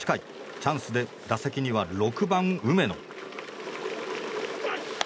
チャンスで打席には６番、梅野。